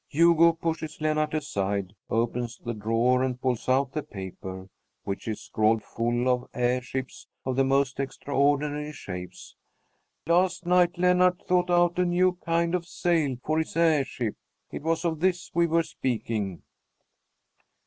Hugo pushes Lennart aside, opens the drawer, and pulls out the paper, which is scrawled full of airships of the most extraordinary shapes. "Last night Lennart thought out a new kind of sail for his airship. It was of this we were speaking."